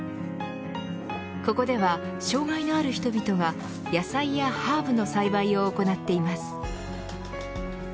ここでは、障がいのある人々が野菜やハーブの栽培を行っています。